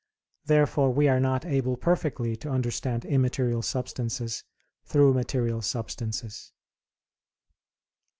Therefore we are not able perfectly to understand immaterial substances through material substances.